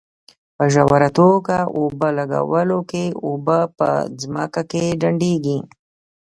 په ژوره توګه اوبه لګولو کې اوبه په ځمکه کې ډنډېږي.